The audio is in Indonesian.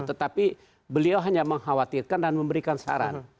tetapi beliau hanya mengkhawatirkan dan memberikan saran